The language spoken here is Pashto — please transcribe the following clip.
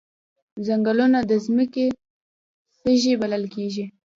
ځنګلونه د ځمکې سږي بلل کیږي